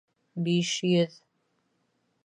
Биш йөҙ